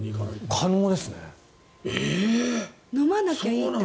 可能ですね。